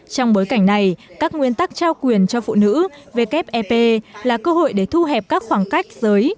trong bối cảnh này các nguyên tắc trao quyền cho phụ nữ về kép ep là cơ hội để thu hẹp các khoảng cách giới